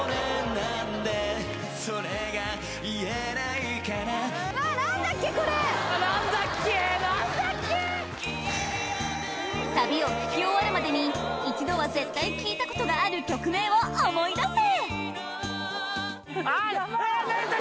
なんでそれが言えないかなサビを聴き終わるまでに一度は絶対聴いたことがある曲名を思い出せ！